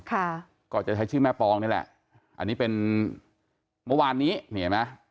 ค่ะก็จะใช้ชื่อแม่ปองนี่แหละอันนี้เป็นเมื่อวานนี้นี่เห็นไหม